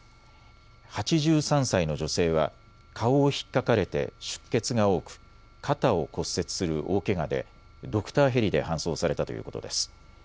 ８３歳の女性は顔をひっかかれて出血が多く肩を骨折する大けがでドクターヘリで搬送されたということです。